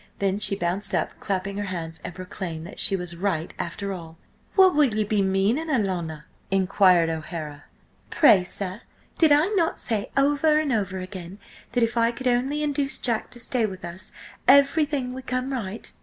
Then she bounced up, clapping her hands, and proclaimed that she was right after all! "What will ye be meaning, alanna?" inquired O'Hara. "Pray, sir, did I not say over and over again that if I could only induce Jack to stay with us everything would come right?